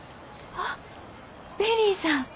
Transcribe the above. あっベリーさん。